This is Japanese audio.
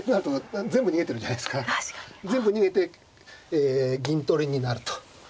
全部逃げてえ銀取りになると。